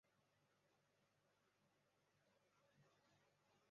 王章枯是清朝贡生。